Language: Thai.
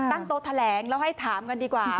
ตั้งโต๊ะแถลงแล้วให้ถามกันดีกว่า